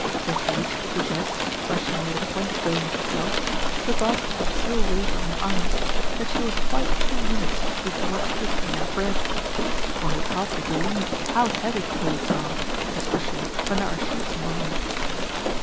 When she reached the Goujets, where she made a point of going herself, her basket had so weighed on her arms that she was quite two minutes before she could get her breath. One would hardly believe how heavy clothes are, especially when there are sheets among them.